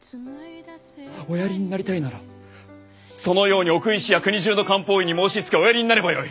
おやりになりたいならそのように奥医師や国中の漢方医に申しつけおやりになればよい。